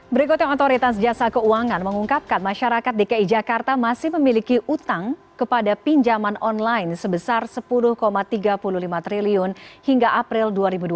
berikutnya otoritas jasa keuangan mengungkapkan masyarakat dki jakarta masih memiliki utang kepada pinjaman online sebesar rp sepuluh tiga puluh lima triliun hingga april dua ribu dua puluh